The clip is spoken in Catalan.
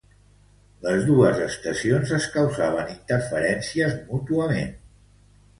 Les dos estacions es causaven interferències mútuament.